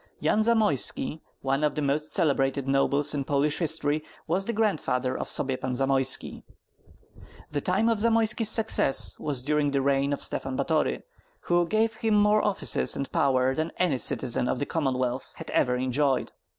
Yan Zamoyski, one of the most celebrated nobles in Polish history, was the grandfather of Sobiepan Zamoyski. The time of Zamoyski's success was during the reign of Stephen Batory, who gave him more offices and power than any citizen of the Commonwealth had ever enjoyed.